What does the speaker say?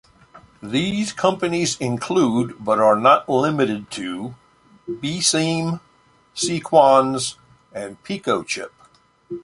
These companies include, but are not limited to, Beceem, Sequans, and PicoChip.